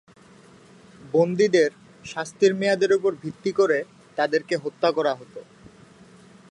বন্দীদের শাস্তির মেয়াদের ওপর ভিত্তি করে তাদেরকে হত্যা করা হত।